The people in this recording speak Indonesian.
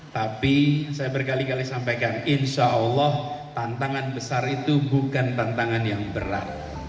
tapi saya berkali kali sampaikan insya allah tantangan besar itu bukan tantangan yang berat